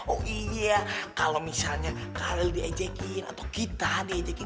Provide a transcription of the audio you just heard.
oh iya kalau misalnya karel diajakin atau kita diajakin